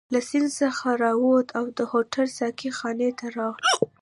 له سیند څخه راووتو او د هوټل ساقي خانې ته راغلو.